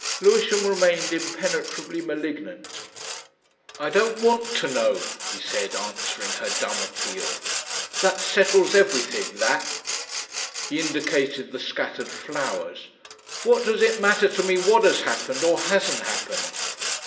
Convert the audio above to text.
Lewisham remained impenetrably malignant. "I don't want to know," he said, answering her dumb appeal. "That settles everything. That!" He indicated the scattered flowers. "What does it matter to me what has happened or hasn't happened?